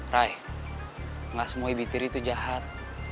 rai enggak semua ibu tiri itu jahat